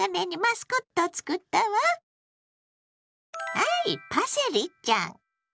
はいパセリちゃん。